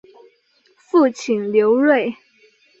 父亲刘锐。